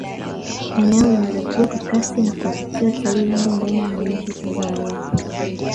Eneo linalokua kwa kasi na kuwavutia watalii wengi ndani na nje ya Tanzania